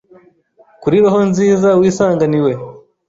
Kuri Roho nziza wisanganiwe